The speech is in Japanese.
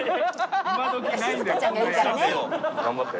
頑張って。